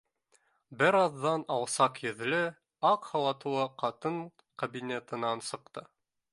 Бер аҙҙан алсаҡ йөҙлө, аҡ халатлы ҡатын кабинетынан сыҡты.